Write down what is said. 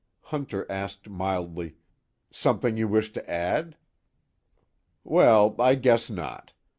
Hunter asked mildly: "Something you wish to add?" "Well I guess not.